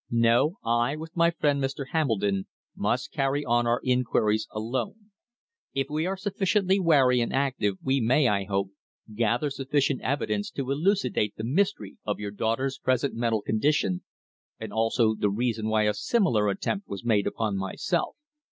"No. I, with my friend Mr. Hambledon, must carry on our inquiries alone. If we are sufficiently wary and active we may, I hope, gather sufficient evidence to elucidate the mystery of your daughter's present mental condition, and also the reason why a similar attempt was made upon myself."